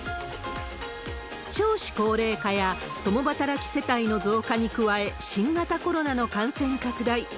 少子高齢化や共働き世帯の増加に加え、新型コロナの感染拡大。